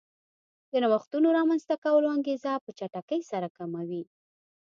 د نوښتونو رامنځته کولو انګېزه په چټکۍ سره کموي